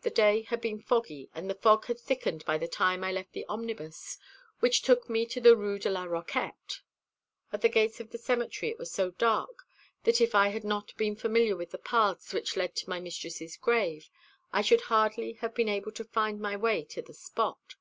The day had been foggy, and the fog had thickened by the time I left the omnibus, which took me to the Rue de la Roquette. At the gates of the cemetery it was so dark that if I had not been familiar with the paths which led to my mistress's grave, I should hardly have been able to find my way to the spot.